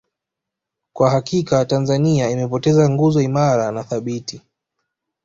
Kwa hakika Tanzania imepoteza nguzo imara na thabiti